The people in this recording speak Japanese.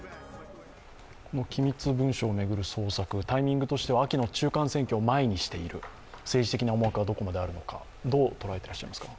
この機密文書を巡る捜索、タイミングとしては秋の中間選挙を前にしている、政治的な思惑がどこまであるのか、どう捉えていらっしゃいますか？